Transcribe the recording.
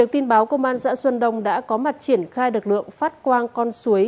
tin báo công an xã xuân đông đã có mặt triển khai lực lượng phát quang con suối